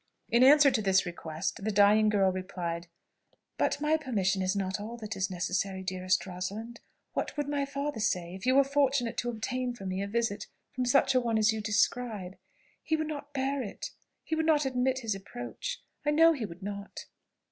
In answer to this request, the dying girl replied "But my permission is not all that is necessary, dearest Rosalind. What would my father say if you were fortunate enough to obtain for me a visit from such a one as you describe? He would not bear it. He would not admit his approach. I know he would not."